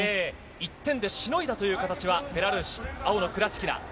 １点でしのいだという形はベラルーシ、青のクラチキナ。